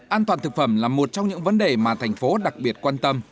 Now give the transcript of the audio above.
an toàn thực phẩm là một trong những vấn đề mà thành phố đặc biệt quan tâm